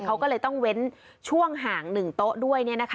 เขาก็เลยต้องเว้นช่วงห่าง๑โต๊ะด้วย